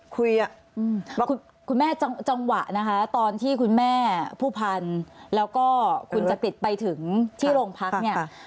คุณแม่จังหวะนะคะตอนที่คุณแม่ผู้พันธุ์แล้วก็คุณจักริตไปถึงที่โรงพักเนี่ย